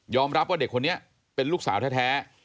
รับว่าเด็กคนนี้เป็นลูกสาวแท้